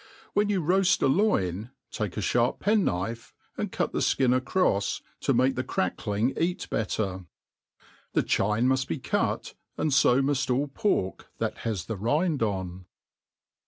Wh^il ^ou roaft a loin, take a fbarp pen knife and cot tb^ (kin acrofs^ to make the crackling tat the better. The cbine'tnuft be t\n^ and fo muft all pork .that hai the rind on.